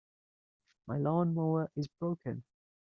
My lawn-mower is broken.